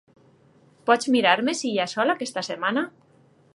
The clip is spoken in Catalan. Pots mirar-me si hi ha sol aquesta setmana?